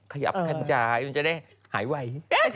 ขยับกันจ่ายมันจะได้หายไหว